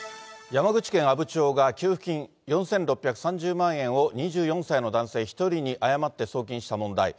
山口県阿武町が給付金４６３０万円を、２４歳の男性１人に誤って送金した問題。